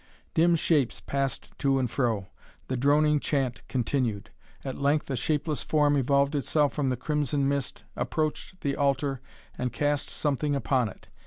Dim shapes passed to and fro. The droning chant continued. At length a shapeless form evolved itself from the crimson mist, approached the altar and cast something upon it.